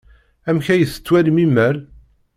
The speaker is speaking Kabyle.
Amek ay tettwalim imal?